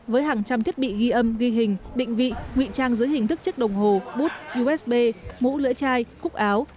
với hàng trăm thiết bị ghi âm ghi hình định vị ngụy trang dưới hình thức chiếc đồng hồ bút usb mũ lưỡi chai cúc áo